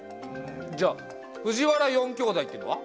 じゃあ藤原四兄弟っていうのは？